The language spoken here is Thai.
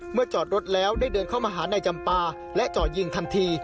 เมื่อจอดรถแล้วได้เดินเข้ามาหาในจำปาและจอดยิงทันที